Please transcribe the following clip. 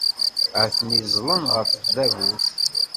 Atni ẓẓlen ɣef tdabut.